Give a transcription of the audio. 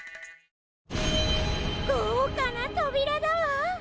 ごうかなとびらだわ！